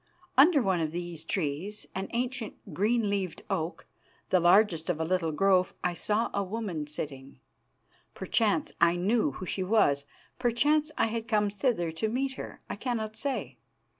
Under one of these trees, an ancient, green leaved oak, the largest of a little grove, I saw a woman sitting. Perchance I knew who she was, perchance I had come thither to meet her, I cannot say.